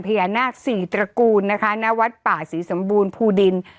พญานาคสี่ตระกูลนะคะณวัดป่าศรีสมบูรณ์ภูดิน